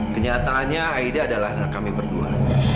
kenyataannya aida adalah anak kami berdua